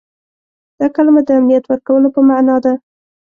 دا کلمه د امنیت ورکولو په معنا ده.